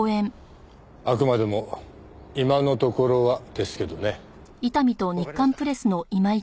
あくまでも「今のところは」ですけどね。わかりました。